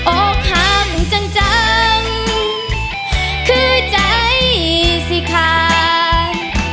โอ๊ะข้ามจังจังคือใจสิขาด